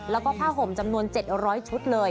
แล้วก็ผ้าห่มจำนวน๗๐๐ชุดเลย